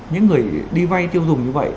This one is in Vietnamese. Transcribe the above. những người đi vay tiêu dùng như vậy